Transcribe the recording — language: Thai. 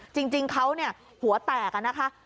จริงเขาเนี่ยหัวแตกอะนะคะ